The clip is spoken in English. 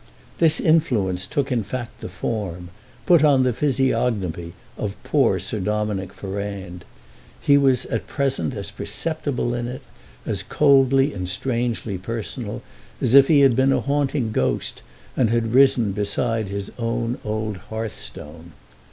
This influence took in fact the form, put on the physiognomy of poor Sir Dominick Ferrand; he was at present as perceptible in it, as coldly and strangely personal, as if he had been a haunting ghost and had risen beside his own old hearthstone.